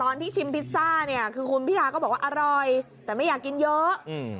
ที่ชิมพิซซ่าเนี่ยคือคุณพิทาก็บอกว่าอร่อยแต่ไม่อยากกินเยอะอืม